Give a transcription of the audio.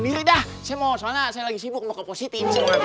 diri dah saya mau soalnya saya lagi sibuk mau ke posisi ini mau ngambilin tas